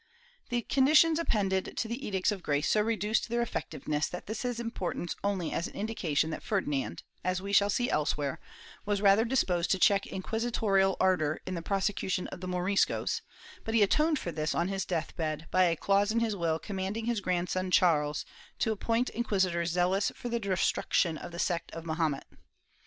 ^ The conditions appended to Edicts of Grace so reduced their effectiveness that this has importance only as an indication that Ferdinand, as we shall see elsewhere, was rather disposed to check inquisitorial ardor in the prosecution of Moriscos, but he atoned for this on his death bed, by a clause in his will commanding his grandson Charles to appoint inquisitors zealous for the destruction of the sect of Mahomet.'